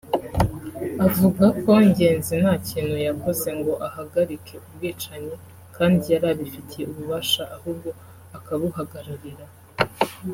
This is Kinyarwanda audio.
Avuga ko Ngenzi nta kintu yakoze ngo ahagarike ubwicanyi kandi yari abifitiye ububasha ahubwo akabuhagararira